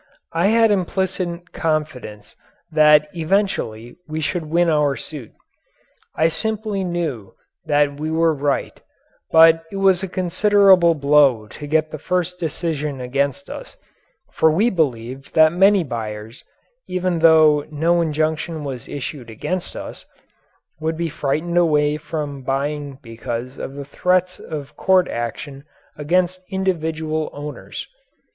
I had implicit confidence that eventually we should win our suit. I simply knew that we were right, but it was a considerable blow to get the first decision against us, for we believed that many buyers even though no injunction was issued against us would be frightened away from buying because of the threats of court action against individual owners.